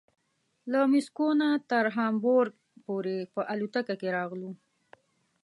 له مسکو نه تر هامبورګ پورې په الوتکه کې راغلو.